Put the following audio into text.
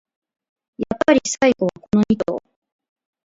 やっぱり最後はこのニ頭